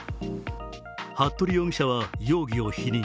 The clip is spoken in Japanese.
服部容疑者は容疑を否認。